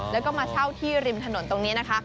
แล้วก็มาเช่าที่ริมถนนตรงนี้นะคะ